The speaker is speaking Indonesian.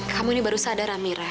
kamu ini baru sadar mira